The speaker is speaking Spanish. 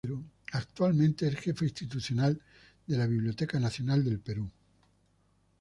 Actualmente es Jefa Institucional de la Biblioteca Nacional del Perú.